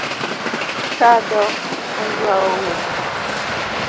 Kado onjwawo welo